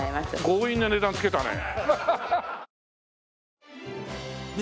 強引な値段つけたね。